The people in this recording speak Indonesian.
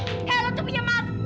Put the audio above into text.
eh lo tuh punya mata